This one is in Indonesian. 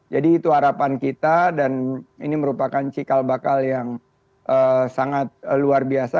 jadi itu harapan kita dan ini merupakan cikal bakal yang sangat luar biasa